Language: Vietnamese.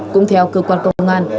cũng theo cơ quan công an